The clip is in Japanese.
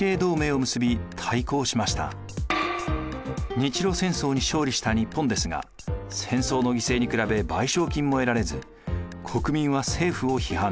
日露戦争に勝利した日本ですが戦争の犠牲に比べ賠償金も得られず国民は政府を批判。